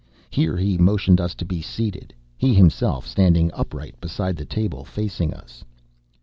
Here he motioned us to be seated, he himself standing upright beside the table, facing us.